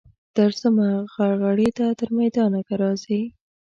درځمه غرغړې ته تر میدانه که راځې.